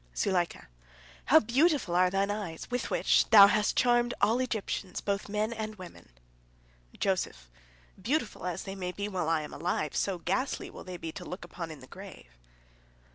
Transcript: Zuleika: "How beautiful are thine eyes, with which thou hast charmed all Egyptians, both men and women!" Joseph: "Beautiful as they may be while I am alive, so ghastly they will be to look upon in the grave."